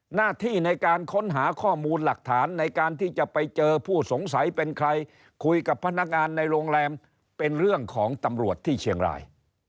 หน้าที่ในการค้นหาข้อมูลหลักฐานในการที่จะไปเจอผู้สงสัยเป็นใครคุยกับพนักงานในโรงแรมเป็นเรื่องของตำรวจที่เชียงราย